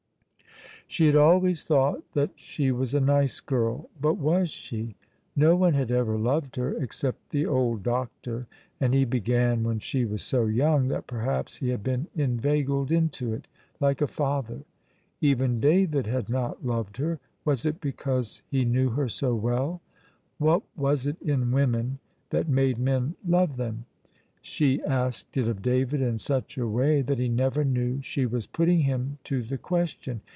She had always thought that she was a nice girl, but was she? No one had ever loved her, except the old doctor, and he began when she was so young that perhaps he had been inveigled into it, like a father. Even David had not loved her. Was it because he knew her so well? What was it in women that made men love them? She asked it of David in such a way that he never knew she was putting him to the question.